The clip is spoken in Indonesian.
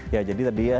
ya jadi tadi ya